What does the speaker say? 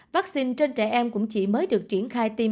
vaccine trên trẻ em cũng chỉ mới được triển khai tiêm